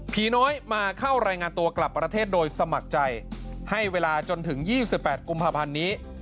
น้อยมาเข้ารายงานตัวกลับประเทศโดยสมัครใจให้เวลาจนถึง๒๘กุมภาพันธ์นี้